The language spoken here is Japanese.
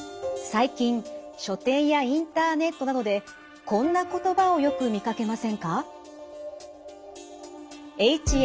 最近書店やインターネットなどでこんな言葉をよく見かけませんか？